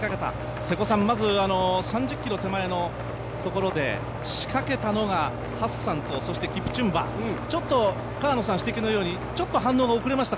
瀬古さんまず３０ｋｍ手前のところで仕掛けたのがハッサンとキプチュンバ、河野さんの指摘のようにちょっと反応が遅れましたか？